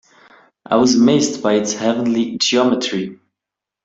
I was amazed by its heavenly geometry.